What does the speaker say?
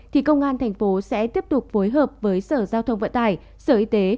thì công an thành phố sẽ tiếp tục phối hợp với sở giao thông vận tải sở y tế